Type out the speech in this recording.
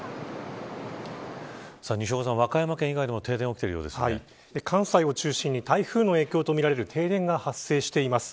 西岡さん、和歌山県以外でも関西を中心に台風の影響とみられる停電が発生しています。